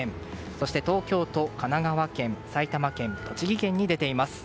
そして東京都、神奈川県埼玉県、栃木県に出ています。